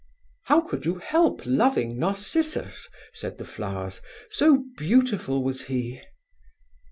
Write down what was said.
"'How could you help loving Narcissus?' said the flowers, 'so beautiful was he.'